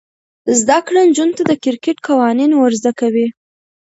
زده کړه نجونو ته د کرکټ قوانین ور زده کوي.